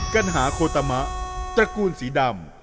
กัณหาโคตามะตระกูลสีดำ